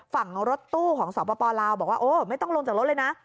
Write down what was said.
ฝั่งรถตู้ของสปลาวบอกว่าโอ้ไม่ต้องลงจากรถเลยนะ